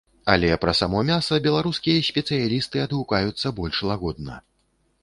Але пра само мяса беларускія спецыялісты адгукаюцца больш лагодна.